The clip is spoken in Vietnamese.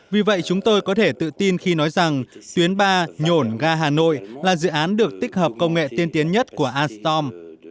vì vậy chúng tôi có thể tự tin khi nói rằng tuyến ba nhổn ga hà nội là dự án được tích hợp công nghệ tiên tiến nhất của alstom